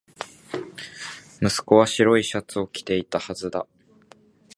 息子は白いシャツを着ていたはずだ